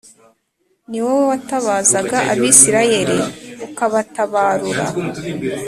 ni wowe watabazaga Abisirayeli ukabatabarura.